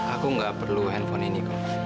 aku nggak perlu handphone ini kok